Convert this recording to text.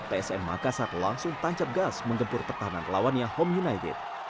psm makassar langsung tancap gas menggempur pertahanan lawannya home united